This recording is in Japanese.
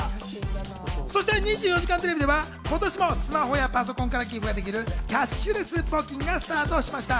そして『２４時間テレビ』では今年もスマホやパソコンから寄付ができるキャッシュレス募金がスタートしました。